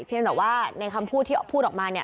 เพียงแต่ว่าในคำพูดที่พูดออกมาเนี่ย